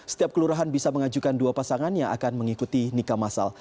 setiap kelurahan bisa mengajukan dua pasangan yang akan mengikuti nikah masal